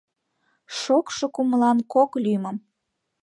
Шокшо кумылан кок лӱмым